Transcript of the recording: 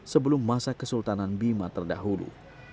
sebelum masa kesultanan bima terdahulu